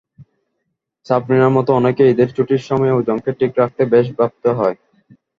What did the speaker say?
সাবরিনার মতো অনেকেই ঈদের ছুটির সময়ে ওজনকে ঠিক রাখতে বেশ ভাবতে হয়।